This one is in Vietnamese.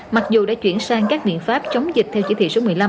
mặc dù đã chuyển sang các biện pháp chống dịch theo chỉ thị số một mươi năm